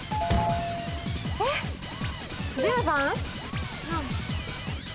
えっ⁉１０番？